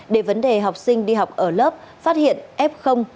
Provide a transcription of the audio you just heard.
để vấn đề học sinh đi học ở lớp phát hiện f